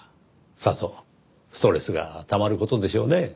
さぞストレスがたまる事でしょうねぇ。